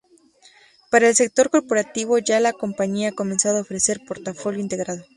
Para el sector Corporativo, ya la compañía ha comenzado a ofrecer portafolio integrado.